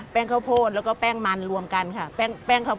แป้งข้าวโพดแล้วก็แป้งมันรวมกันค่ะ